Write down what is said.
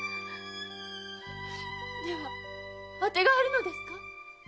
では当てがあるのですね？